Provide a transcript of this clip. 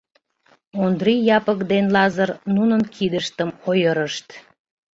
Ондри Япык ден Лазыр нунын кидыштым ойырышт.